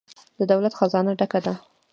د دولت خزانه ډکه ده؟